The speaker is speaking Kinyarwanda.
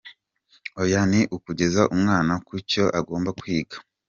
Oya, ni ukugeza umwana ku cyo agomba kwiga.